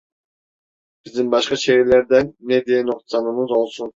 Bizim başka şehirlerden ne diye noksanımız olsun?